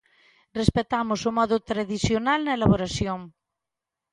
Respectamos o modo tradicional na elaboración.